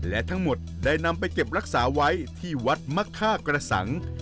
และทั้งหมดได้นำไปเก็บรักษาไว้ที่วัดมะค่ากระสัง